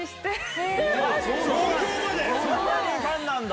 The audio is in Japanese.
そんなにファンなんだ？